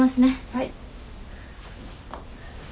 はい。